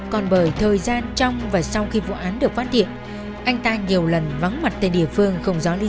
còn bởi thời gian trong và sau khi vụ án được phát hiện anh ta nhiều lần vắng mặt tại địa phương không rõ lý lịch